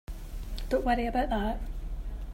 Don't worry about that.